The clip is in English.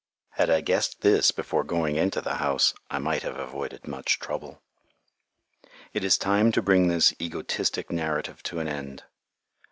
Had I guessed this before going into the house, I might have avoided much trouble. It is time to bring this egotistic narrative to an end.